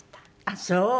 あっそう。